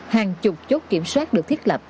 hàng chục chốt kiểm soát được thiết lập